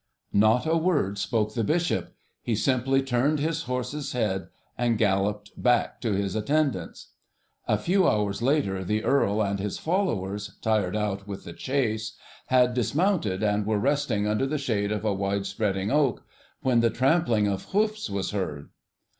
Not a word spoke the Bishop; he simply turned his horse's head and galloped back to his attendants. A few hours later the Earl and his followers, tired out with the chase, had dismounted, and were resting under the shade of a wide spreading oak, when the trampling of hoofs was heard.